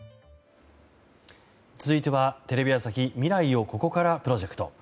続いてはテレビ朝日未来をここからプロジェクト。